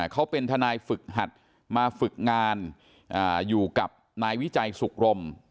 เขาเป็นทนายฝึกหัดมาฝึกงานอยู่กับนายวิจัยสุขรม